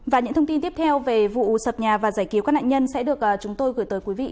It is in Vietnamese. và những thông tin tiếp theo về vụ sập nhà và giải cứu các nạn nhân sẽ được chúng tôi gửi tới quý vị và các bạn